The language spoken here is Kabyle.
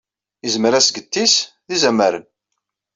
Izimer asget-is d izamaren.